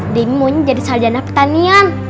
debbie maunya jadi sarjana pertanian